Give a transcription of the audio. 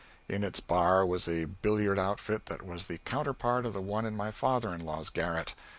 In its bar was a billiard outfit that was the counterpart of the one in my father in law's garret.